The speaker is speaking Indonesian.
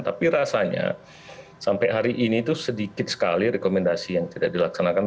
tapi rasanya sampai hari ini itu sedikit sekali rekomendasi yang tidak dilaksanakan